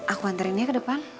aku anterin dia ke depan